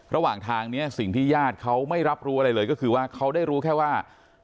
ระหว่างทางนี้สิ่งที่ญาติเขาไม่รับรู้อะไรเลยก็คือว่าเขาได้รู้แค่ว่า